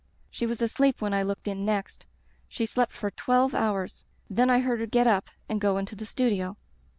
She was asleep when I looked in next. She slept for twelve hours. Then I heard her get up and go into the studio.